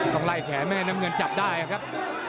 ต้องไล่แขม่น้ำเงินหาจับได้ครับ